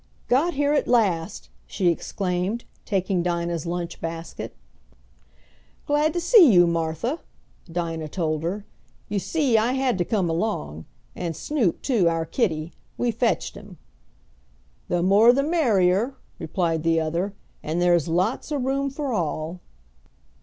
"Got here at last!" she exclaimed, taking Dinah's lunch basket. "Glad to see you, Martha," Dinah told her. "You see, I had to come along. And Snoop too, our kitty. We fetched him." "The more the merrier," replied the other, "and there's lots of room for all."